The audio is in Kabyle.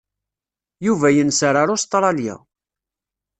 Yuba yenser ar Ustṛalya.